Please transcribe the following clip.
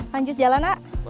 lanjut jalan nak